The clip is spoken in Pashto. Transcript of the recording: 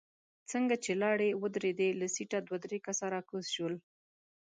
څنګه چې لارۍ ودرېده له سيټه دوه درې کسه راکوز شول.